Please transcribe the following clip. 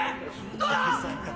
どうだ？